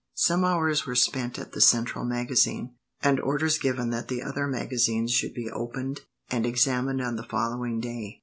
Some hours were spent at the central magazine, and orders given that the other magazines should be opened and examined on the following day.